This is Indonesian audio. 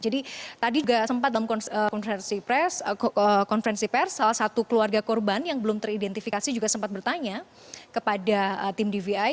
jadi tadi juga sempat dalam konferensi pers salah satu keluarga korban yang belum teridentifikasi juga sempat bertanya kepada tim dvi